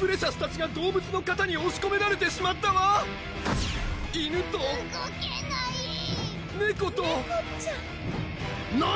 プレシャスたちが動物の型におしこめられてしまったわ犬と動けない猫と猫ちゃん何？